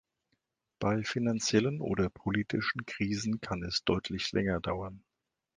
Bei finanziellen oder politischen Krisen kann es deutlich länger dauern.